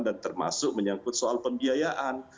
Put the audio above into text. dan termasuk menyangkut soal pembiayaan